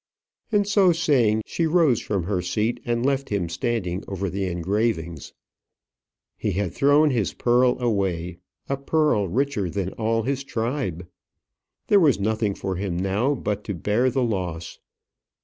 And so saying, she rose from her seat and left him standing over the engravings. He had thrown his pearl away; a pearl richer than all his tribe. There was nothing for him now but to bear the loss.